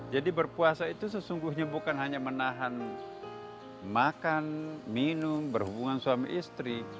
jadi berpuasa itu sesungguhnya bukan hanya menahan makan minum berhubungan suami istri